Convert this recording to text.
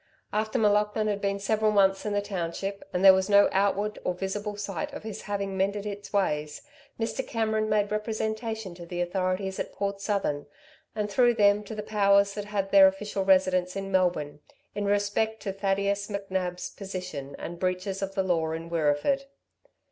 After M'Laughlin had been several months in the township, and there was no outward or visible sight of his having mended its ways, Mr. Cameron made representation to the authorities at Port Southern, and through them to the powers that had their official residence in Melbourne, in respect to Thadeus McNab's position and breaches of the law in Wirreeford.